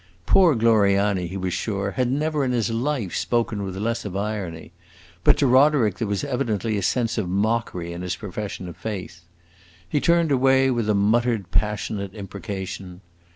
Poor Gloriani, he was sure, had never in his life spoken with less of irony; but to Roderick there was evidently a sense of mockery in his profession of faith. He turned away with a muttered, passionate imprecation.